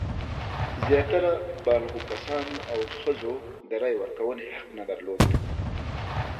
زیاتره بالغو کسانو او ښځو د رایې ورکونې حق نه درلود.